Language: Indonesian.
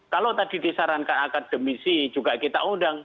kalau tadi disarankan akademisi juga kita undang